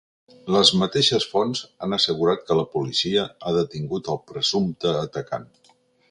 Les mateixes fonts han assegurat que la policia ha detingut el presumpte atacant.